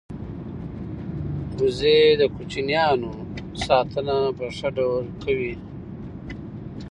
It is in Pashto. وزې د کوچنیانو ساتنه په ښه ډول کوي